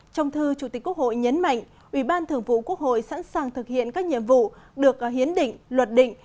trong thư chủ tịch quốc hội nhấn mạnh ubth sẵn sàng thực hiện các nhiệm vụ được hiến định luật định